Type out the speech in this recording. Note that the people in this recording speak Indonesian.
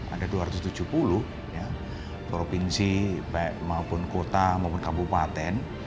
ada dua ratus tujuh puluh provinsi maupun kota maupun kabupaten